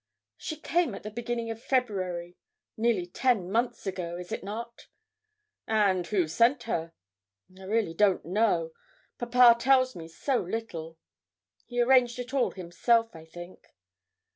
'She came in the beginning of February nearly ten months ago is not it?' 'And who sent her?' 'I really don't know; papa tells me so little he arranged it all himself, I think.'